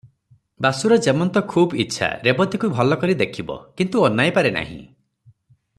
ବାସୁର ଯେମନ୍ତ ଖୁବ୍ ଇଚ୍ଛା – ରେବତୀକୁ ଭଲକରି ଦେଖିବ; କିନ୍ତୁ ଅନାଇପାରେ ନାହିଁ ।